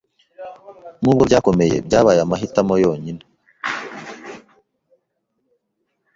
Nubwo byakomeye byabaye amahitamo yonyine